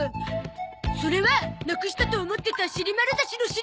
それはなくしたと思ってたシリマルダシの尻！